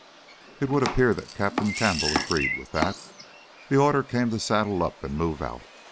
It would appear that Captain Campbell agreed with that. The order came to saddle up and move out.